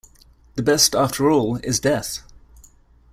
The best, after all, is death.